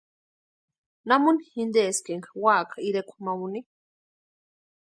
¿Namuni jinteski énka úaka irekwa ma úni?